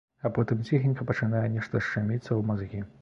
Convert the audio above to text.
А потым ціхенька пачынае нешта шчаміцца ў мазгі.